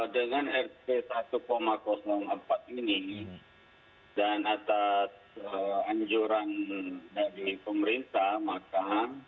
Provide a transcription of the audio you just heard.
dengan rt satu empat ini dan atas anjuran dari pemerintah maka